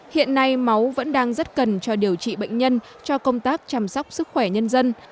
hiện nay máu vẫn đang rất cần cho điều trị bệnh nhân cho công tác chăm sóc sức khỏe nhân dân